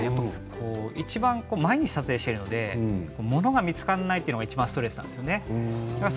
毎日、撮影しているのでものが見つからないのがいちばんストレスなんですね。